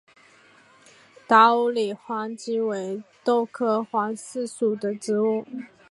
达乌里黄耆为豆科黄芪属的植物。